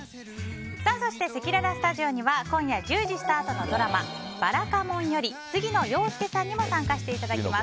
そして、せきららスタジオには今夜１０時スタートのドラマ「ばらかもん」より杉野遥亮さんにも参加していただきます。